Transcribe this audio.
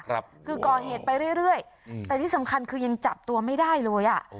คือก่อเหตุไปเรื่อยเรื่อยอืมแต่ที่สำคัญคือยังจับตัวไม่ได้เลยอ่ะ